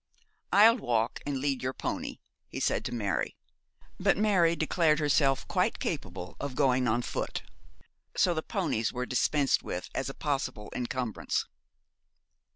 'I'll walk, and lead your pony,' he said to Mary, but Mary declared herself quite capable of going on foot, so the ponies were dispensed with as a possible encumbrance.